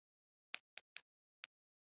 تیمور د خراسان یوه لویه برخه په لاس کې لري.